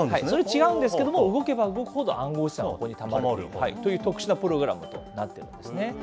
それは違うんですけれども、動けば動くほど暗号資産がここにたまるという特殊なプログラムとなっていますね。